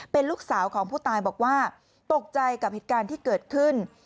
เป็นลูกสาวของผู้ตายบอกว่าตกใจกับเหตุการณ์ที่เกิดขึ้น